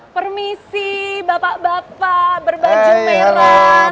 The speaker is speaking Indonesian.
permisi bapak bapak berbaju merah